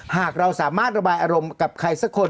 หากเราสามารถระบายอารมณ์กับใครสักคน